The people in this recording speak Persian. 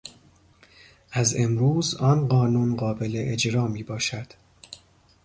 از امروز آن قانون قابل اجرا می باشد.